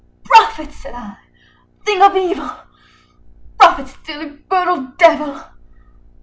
90 "Prophet!" said I, "thing of evil prophet still, if bird or devil!